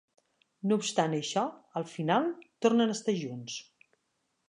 No obstant això, al final, tornen a estar junts.